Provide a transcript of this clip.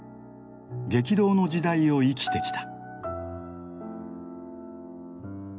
激動の時代を生きてきた。